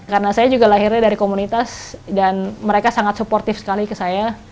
karena saya juga lahirnya dari komunitas dan mereka sangat supportif sekali ke saya